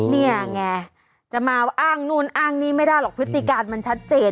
นี่ไงจะมาอ้างนู่นอ้างนี่ไม่ได้หรอกพฤติการมันชัดเจน